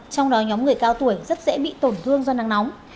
trong đó nhóm người cao tuổi rất dễ bị tổn thương do nắng nóng